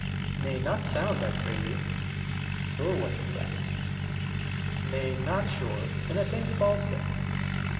_ Nay, not sound, I pray you. Dro. S. Sure ones, then. Ant. S. Nay, not sure, in a thing falsing.